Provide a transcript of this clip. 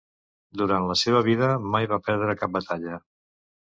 Durant la seva vida, mai va perdre cap batalla.